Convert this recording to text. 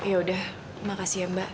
yaudah makasih ya mbak